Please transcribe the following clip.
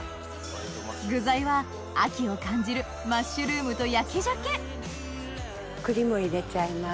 具材は秋を感じるマッシュルームと焼き鮭栗も入れちゃいます。